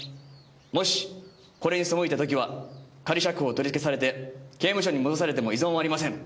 「もしこれに背いた時は仮釈放を取り消されて刑務所に戻されても異存はありません」